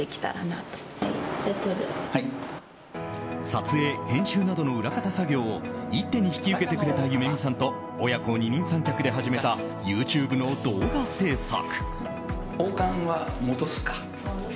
撮影・編集などの裏方作業を一手に引き受けてくれた夢弓さんと親子二人三脚で始めたＹｏｕＴｕｂｅの動画制作。